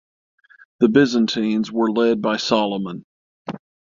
The Byzantines were led by Solomon.